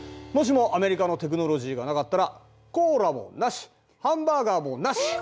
もしもアメリカのテクノロジーがなかったらコーラもなしハンバーガーもなし！